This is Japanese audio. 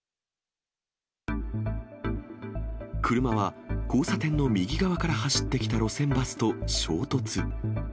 車は交差点の右側から走ってきた路線バスと衝突。